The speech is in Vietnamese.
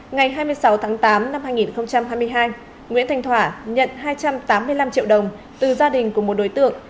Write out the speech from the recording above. ngày hai mươi sáu tháng tám năm hai nghìn hai mươi hai nguyễn thành thỏa nhận hai trăm tám mươi năm triệu đồng từ gia đình của một đối tượng